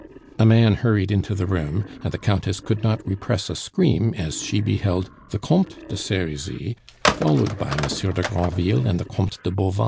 A man hurried into the room, and the Countess could not repress a scream as she beheld the Comte de Serizy, followed by Monsieur de Granville and the Comte de Bauvan.